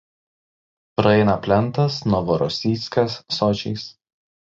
Praeina plentas Novorosijskas–Sočis.